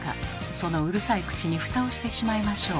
そのうるさい口に蓋をしてしまいましょう。